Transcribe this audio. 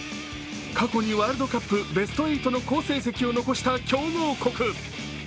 過去にワールドカップベスト８の好成績を残した強豪国。